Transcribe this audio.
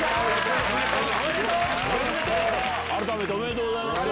改めておめでとうございます。